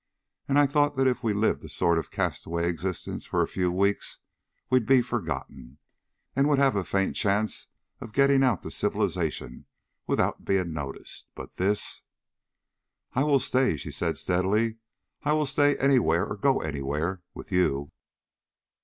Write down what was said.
And I'd thought that if we lived a sort of castaway existence for a few weeks we'd be forgotten, and would have a faint chance of getting out to civilization without being noticed. But this...." "I will stay," she said steadily. "I will stay anywhere or go anywhere, with you."